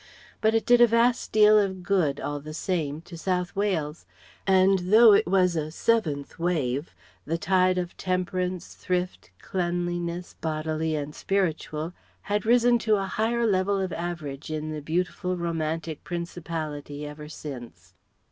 But it did a vast deal of good, all the same, to South Wales; and though it was a seventh wave, the tide of temperance, thrift, cleanliness, bodily and spiritual, has risen to a higher level of average in the beautiful romantic Principality ever since.